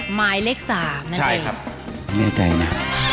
หมายเล็ก๓นั่นเองใช่ครับไม่ใจนะ